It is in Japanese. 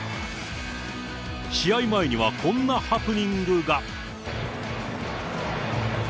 試合前にはこんなハプニングが。